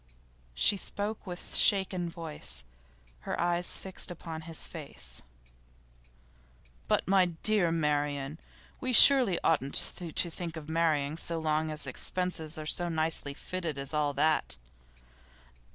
She spoke with shaken voice, her eyes fixed upon his face. 'But, my dear Marian, we surely oughtn't to think of marrying so long as expenses are so nicely fitted as all that?